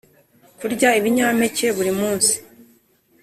Kurya ibinyampeke buri munsi